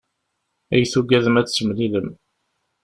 Ay tugadem ad d-temlilem.